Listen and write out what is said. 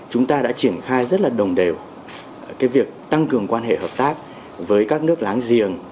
chúng ta đã triển khai rất là đồng đều việc tăng cường quan hệ hợp tác với các nước láng giềng